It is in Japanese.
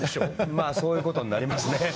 まあそういうことになりますね。